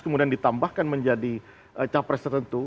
kemudian ditambahkan menjadi capres tertentu